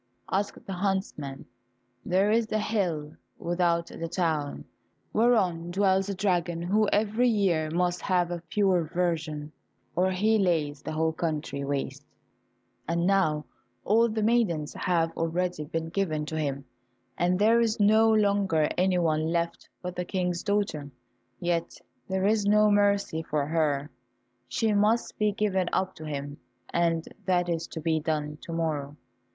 asked the huntsman. "There is a high hill without the town, whereon dwells a dragon who every year must have a pure virgin, or he lays the whole country waste, and now all the maidens have already been given to him, and there is no longer anyone left but the King's daughter, yet there is no mercy for her; she must be given up to him, and that is to be done to morrow."